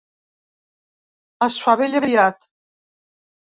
Es fa vell aviat.